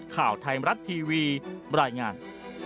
ข่าวไทยมรัฐทีวีบรรยายงาน